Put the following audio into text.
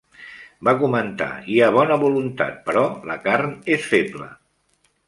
Va comentar: "Hi ha bona voluntat, però la carn és feble".